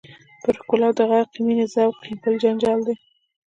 پر ښکلا د غرقې مینې ذوق یې بل جنجال دی.